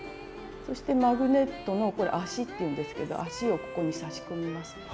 そしてマグネットの足っていうんですけど足をここに差し込みます。